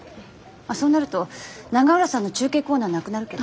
あっそうなると永浦さんの中継コーナーなくなるけど。